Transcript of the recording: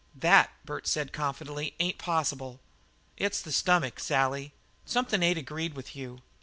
"That," said Bert confidently, "ain't possible. It's the stomach, Sally. Something ain't agreed with you."